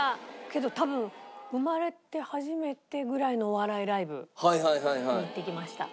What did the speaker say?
けど多分生まれて初めてぐらいのお笑いライブに行ってきました。